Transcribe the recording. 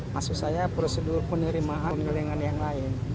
maksud saya prosedur penerimaan jaringan yang lain